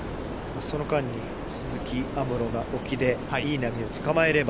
その間に都筑有夢路が沖でいい波をつかまえれば。